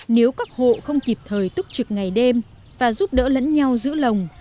nếu các hộ không kịp thời túc trực ngày đêm và giúp đỡ lẫn nhau giữ lồng